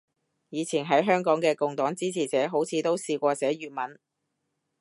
以前喺香港嘅共黨支持者好似都試過寫粵文